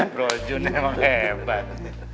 bro jun emang hebat